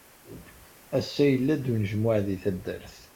Ass-a yella-d unejmuɛ di taddart.